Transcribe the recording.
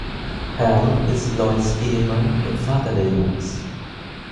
Hal ist Lois’ Ehemann und Vater der Jungs.